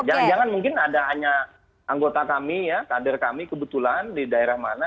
jangan jangan mungkin ada hanya anggota kami ya kader kami kebetulan di daerah mana